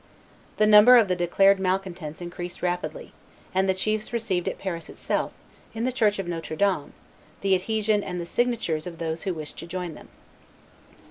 The number of the declared malcontents increased rapidly; and the chiefs received at Paris itself, in the church of Notre Dame, the adhesion and the signatures of those who wished to join them.